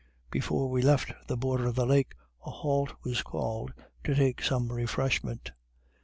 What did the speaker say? Before we left the border of the lake, a halt was called to take some refreshment.